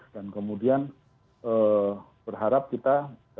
dan kemudian berharap kita